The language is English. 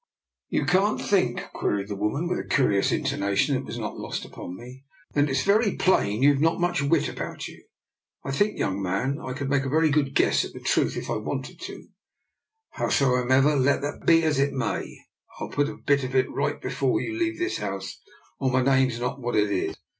" You can't think? " queried the woman, with a curious intonation that was not lost upon me. " Then it's very plain you've not much wit about you. I think, young man, I could make a very good guess at the truth if I wanted to. Howsomever, let that be as it may, I'll put a bit of it right before you leave this house, or my name's not what it is."